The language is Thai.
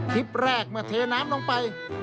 คลิปแรกเมื่อเทน้ำลงไป